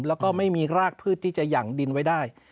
แล้วก็ไม่มีรากพืชที่จะหยั่งดินไว้ได้